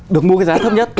được mua cái giá thấp nhất